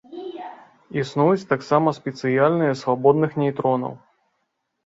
Існуюць таксама спецыяльныя свабодных нейтронаў.